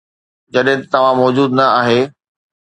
جڏهن ته توهان موجود نه آهي